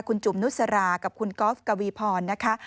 คุณจุ๋มนุษรากับคุณกอล์ฟกวีพรนะคะ